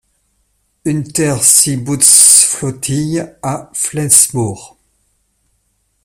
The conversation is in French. Unterseebootsflottille à Flensbourg.